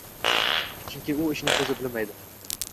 Chunki u ishning ko‘zini bilmaydi.